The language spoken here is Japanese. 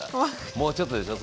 もうちょっとでしょ？